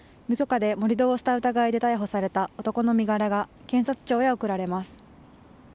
無許可で盛り土をした疑いで逮捕された男の身柄が検察庁に送られます。